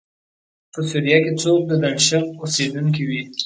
په سوریه کې څوک د دمشق اوسېدونکی وي.